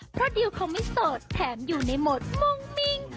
เพราะดิวเขาไม่โสดแถมอยู่ในโหมดมุ่งมิ้ง